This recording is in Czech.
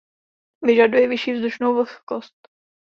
Vyžaduje vyšší vzdušnou vlhkost.